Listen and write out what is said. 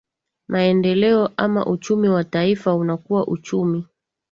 maendeleo ama uchumi wa taifa unakua uchumi